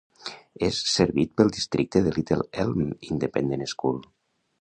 És servit pel districte de Little Elm independent School.